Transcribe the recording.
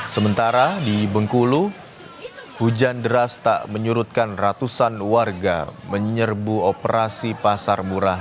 sementara di bengkulu hujan deras tak menyurutkan ratusan warga menyerbu operasi pasar murah